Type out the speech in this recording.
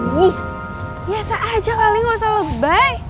biasa aja kali gak usah lebih